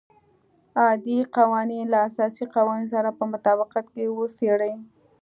عادي قوانین له اساسي قوانینو سره په مطابقت کې وڅېړي.